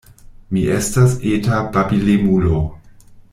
Mi estas eta babilemulo.